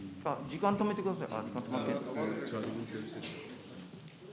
時間止めてください。